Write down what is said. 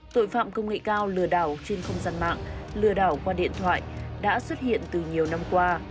tội phạm công nghệ cao lừa đảo trên không gian mạng lừa đảo qua điện thoại đã xuất hiện từ nhiều năm qua